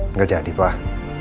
nggak jadi pak